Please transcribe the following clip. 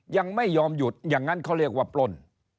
ยังไม่ยอมหยุดอย่างนั้นเขาเรียกว่าปล้น